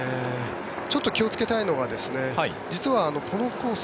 ちょっと気をつけたいのが実はこのコース